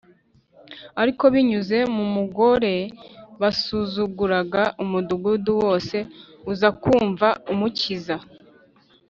. Ariko binyuze mu mugore basuzuguraga, umudugudu wose uza kumva Umukiza.